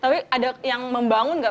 tapi ada yang membangun nggak